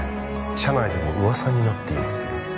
社内でも噂になっていますよ